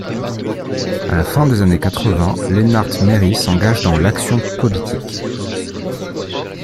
À la fin des années quatre-vingt, Lennart Meri s'engage dans l'action politique.